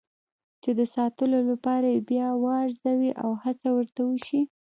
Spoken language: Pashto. چې د ساتلو لپاره یې بیا وارزي او هڅه ورته وشي.